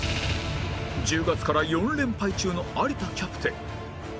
１０月から４連敗中の有田キャプテン